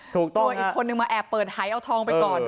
ถูกต้องนะโดยอีกคนนึงมาแอบเปิดหายเอาทองไปก่อน